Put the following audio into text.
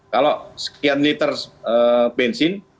kalau sekian liter bensin